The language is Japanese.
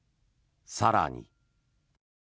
更に。